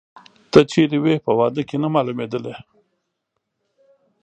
ته چیري وې، په واده کې نه مالومېدلې؟